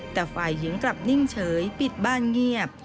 แต่ฝ่ายหญิงกลับนิ่งเฉยปิดบ้านเงียบ